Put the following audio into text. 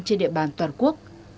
trên địa bàn toàn quốc